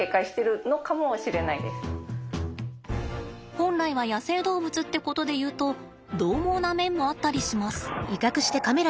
本来は野生動物ってことでいうと獰猛な面もあったりします。